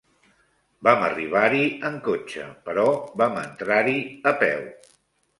Vam arribar-hi en cotxe, però vam entrar-hi a peu.